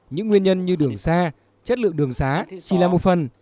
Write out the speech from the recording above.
những nguyên nhân như đường xa chất lượng đường xá chỉ là một phần